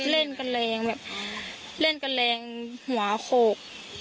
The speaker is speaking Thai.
เล่นกะเลงเหมือนแบบเล่นกะเลงหัวโขก